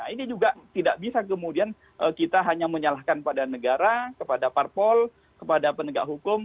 ini juga tidak bisa kemudian kita hanya menyalahkan pada negara kepada parpol kepada penegak hukum